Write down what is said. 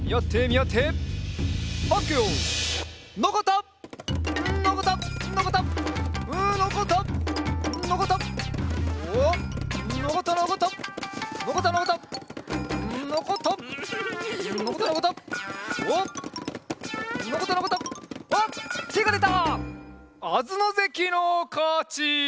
あづのぜきのかち！